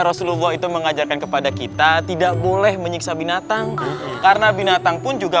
rasulullah itu mengajarkan kepada kita tidak boleh menyiksa binatang karena binatang pun juga